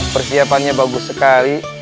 persiapannya bagus sekali